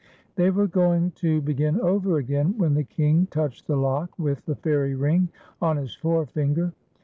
They were going to begin over again, when the King touched the lock with the fairy ring on his fore tinger.